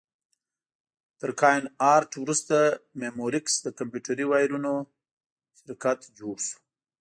تر کاین ارټ وروسته مموریکس د کمپیوټري وایرونو شرکت جوړ شو.